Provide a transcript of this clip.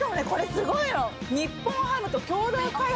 すごいね。